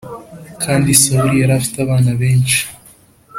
Kandi sawuli yari afite abana benci